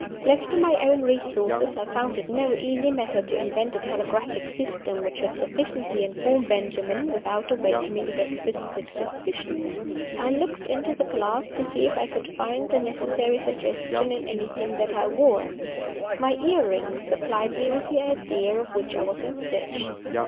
Left to my own resources, I found it no easy matter to invent a telegraphic system which should sufficiently inform Benjamin, without awakening Dexter's quick suspicion. I looked into the glass to see if I could find the necessary suggestion in anything that I wore. My earrings supplied me with the idea of which I was in search.